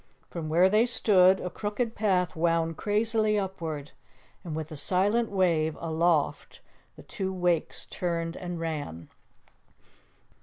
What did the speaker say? From where they stood, a crooked path wound crazily upward, and with a silent wave aloft the two Wakes turned and ran.